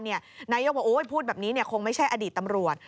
นายกบอกพูดแบบนี้คงไม่ใช่อดีตตำรวจ